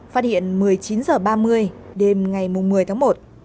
phát hiện một mươi chín h ba mươi đêm ngày một mươi tháng một